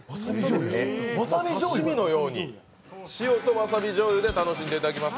刺身のように塩とわさびじょうゆで楽しんでもらいます。